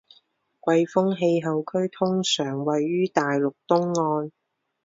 季风气候区通常位于大陆东岸